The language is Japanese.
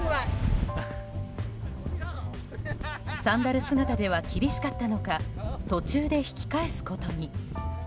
サンダル姿では厳しかったのか途中で引き返すことに。